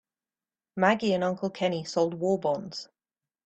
Maggie and Uncle Kenny sold war bonds.